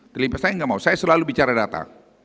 terlalu saya enggak mau saya selalu bicara data